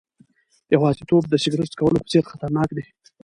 یوازیتوب د سیګریټ څکولو په څېر خطرناک دی.